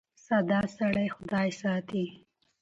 ساده سړی خدای ساتي .